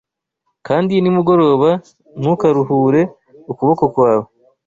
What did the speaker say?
kandi nimugoroba ntukaruhure ukuboko kwawe